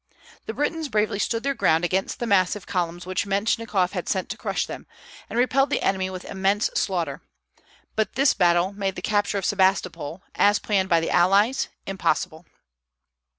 The Britons bravely stood their ground against the massive columns which Mentchikof had sent to crush them, and repelled the enemy with immense slaughter; but this battle made the capture of Sebastopol, as planned by the allies, impossible.